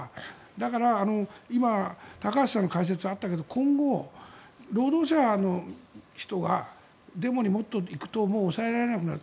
だから今、高橋さんの解説があったけど今後、労働者の人がデモにもっと行くともう抑えられなくなる。